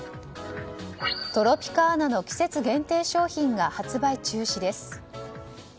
トロピカーナの季節限定商品が発売中止です。